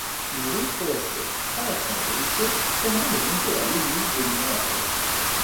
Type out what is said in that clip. Une route forestière traversant le ruisseau permet de monter à l’église dominant la forêt.